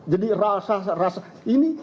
jadi rasa rasa ini